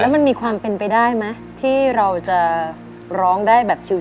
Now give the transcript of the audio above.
มันมีความเป็นไปได้ไหมที่เราจะร้องได้แบบชิว